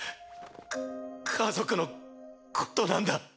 か家族のことなんだ。